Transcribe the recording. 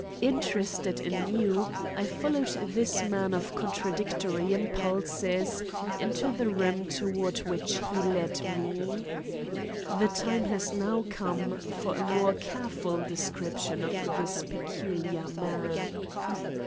Interested anew, I followed this man of contradictory impulses into the room toward which he led me. The time has now come for a more careful description of this peculiar man.